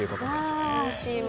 おいしいわ。